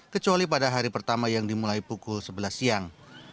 kecuali pada hari pertama yang dimulai pukul sebelas siang